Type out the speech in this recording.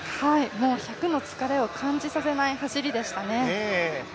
もう１００の疲れを感じさせない走りでしたね。